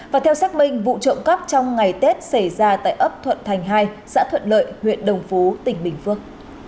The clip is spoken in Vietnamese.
và theo xác minh vụ trộm cắp trong ngày tết xảy ra tại ấp thuận thành hai xã thuận lợi huyện đồng phú tỉnh bình phước